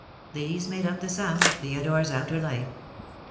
These made up the sum of Theodore's outer life.